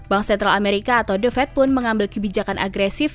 bank sentral amerika atau the fed pun mengambil kebijakan agresif